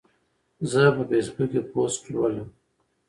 زه په فیسبوک کې پوسټ لولم.